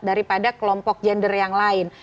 daripada kelompok gender yang lain